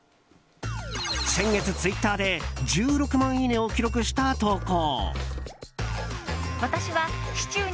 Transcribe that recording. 先月、ツイッターで１６万いいねを記録した投稿。